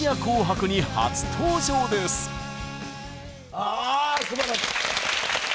あすばらしい！